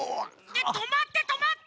いやとまってとまって！